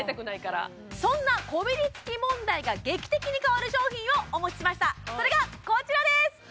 そんなこびりつき問題が劇的に変わる商品をお持ちしましたそれがこちらです